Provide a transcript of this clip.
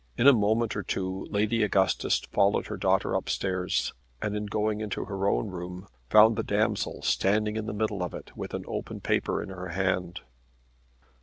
In a moment or two Lady Augustus followed her daughter upstairs, and on going into her own room found the damsel standing in the middle of it with an open paper in her hand.